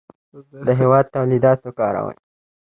د هېواد تولیدات وکاروئ.